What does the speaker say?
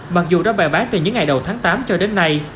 mặc dù đã bài bán từ những ngày đầu tháng tám cho đến nay